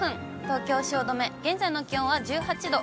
東京・汐留、現在の気温は１８度。